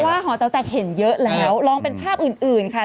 เพราะว่าหอเต๋าแตกเห็นเยอะแล้วลองเป็นภาพอื่นค่ะ